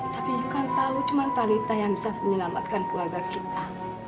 tapi you kan tahu cuma talita yang bisa menyelamatkan keluarga kita